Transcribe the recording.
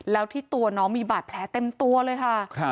แล้วที่ตัวน้องมีบาดแผลเต็มตัวเลยค่ะ